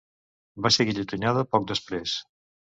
Va ser guillotinada poc després.